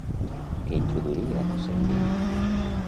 Què introduiria la sèrie?